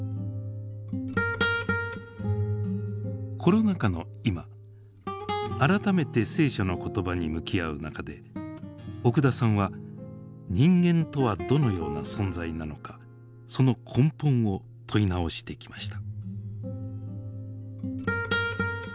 コロナ禍の今改めて聖書の言葉に向き合う中で奥田さんは人間とはどのような存在なのかその根本を問い直してきました。